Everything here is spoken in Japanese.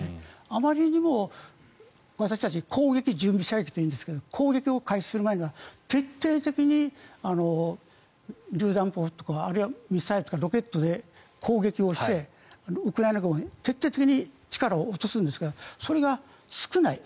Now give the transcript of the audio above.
あまりにも、私たち攻撃準備射撃というんですが攻撃を開始する前に徹底的にりゅう弾砲とかあるいはミサイルとかロケットで攻撃をしてウクライナ軍を徹底的に力を落とすんですがそれが少ない。